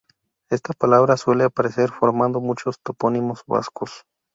Esta palabra suele aparecer formando muchos topónimos vascos.